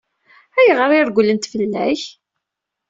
Ayɣer i regglent fell-ak?